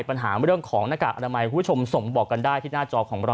ปัญหาเรื่องของหน้ากากอนามัยคุณผู้ชมส่งบอกกันได้ที่หน้าจอของเรา